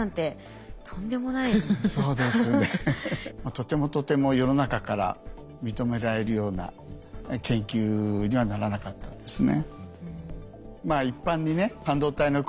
とてもとても世の中から認められるような研究にはならなかったんですね。